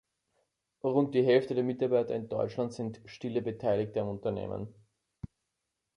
Rund die Hälfte der Mitarbeiter in Deutschland sind stille Beteiligte am Unternehmen.